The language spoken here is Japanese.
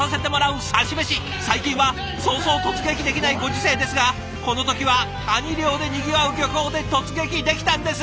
最近はそうそう突撃できないご時世ですがこの時はカニ漁でにぎわう漁港で突撃できたんです。